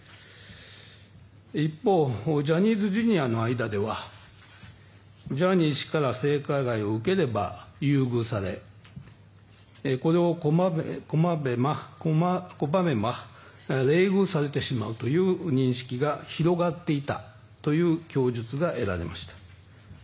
一方、ジャニーズＪｒ．の間ではジャニー氏から性加害を受ければ優遇されこれを拒めば冷遇されてしまうという認識が広がっていたという供述が得られました。